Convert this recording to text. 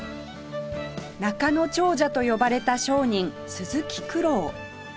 中野長者と呼ばれた商人鈴木九郎